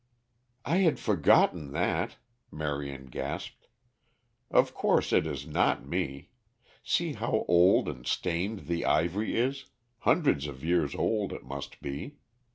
"I had forgotten that," Marion gasped. "Of course, it is not me. See how old and stained the ivory is; hundreds of years old, it must be.